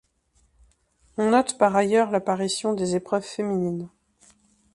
On note par ailleurs l'apparition des épreuves féminines.